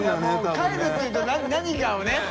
帰るっていうと何かをね。